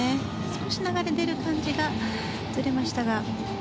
少し斜めに出る感じがずれましたが。